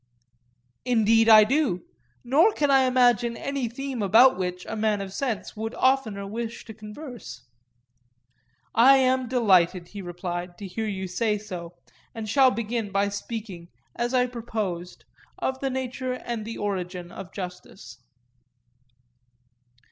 Indeed I do; nor can I imagine any theme about which a man of sense would oftener wish to converse. I am delighted, he replied, to hear you say so, and shall begin by speaking, as I proposed, of the nature and origin of justice.